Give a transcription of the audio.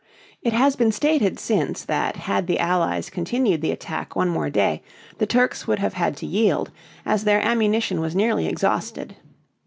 It has been stated since that had the Allies continued the attack one more day the Turks would have had to yield, as their ammunition was nearly exhausted.